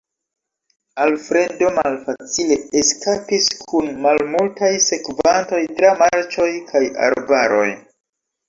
Alfredo malfacile eskapis kun malmultaj sekvantoj tra marĉoj kaj arbaroj.